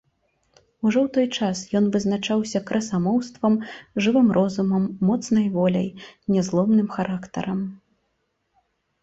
Ужо ў той час ён вызначаўся красамоўствам, жывым розумам, моцнай воляй, нязломным характарам.